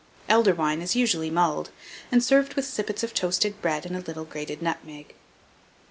Elder wine is usually mulled, and served with sippets of toasted bread and a little grated nutmeg.